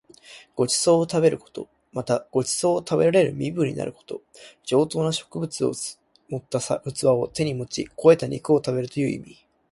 ご馳走を食べること。また、ご馳走を食べられる身分になること。上等な食物を盛った器を手に持ち肥えた肉を食べるという意味。